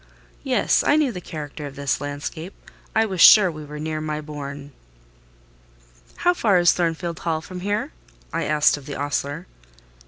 Yes, I knew the character of this landscape: I was sure we were near my bourne. "How far is Thornfield Hall from here?" I asked of the ostler.